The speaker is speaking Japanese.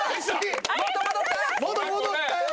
元に戻ったよ。